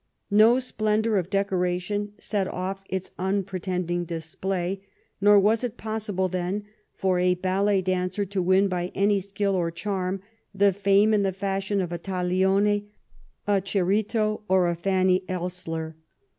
No splendor of deco ration set off its unpretending display, nor was it possible then for a ballet dancer to win by any skill or charm the fame and the fashion of a Taglioni, a Cerito, or a Fanny Elssler.